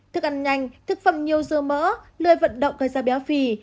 thức ăn nhanh thức phẩm nhiều dơ mỡ lười vận động gây ra béo phì